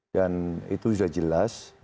dan itu sudah jelas